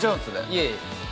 いえいえ